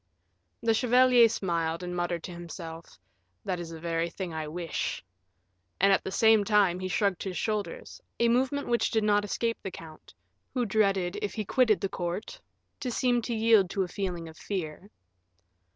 The chevalier smiled, and muttered to himself, "That is the very thing I wish." And at the same time he shrugged his shoulders, a movement which did not escape the count, who dreaded, if he quitted the court, to seem to yield to a feeling of fear.